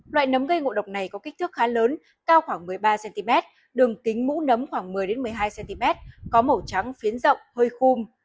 loại nấm gây ngộ độc này có kích thước khá lớn cao khoảng một mươi ba cm đường kính mũ nấm khoảng một mươi một mươi hai cm có màu trắng phiến rộng hơi khung